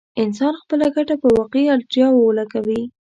انسان خپله ګټه په واقعي اړتياوو ولګوي.